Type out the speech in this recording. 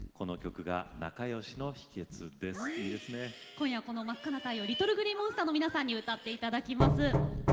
今夜は、この「真赤な太陽」をＬｉｔｔｌｅＧｌｅｅＭｏｎｓｔｅｒの皆さんに歌っていただきます。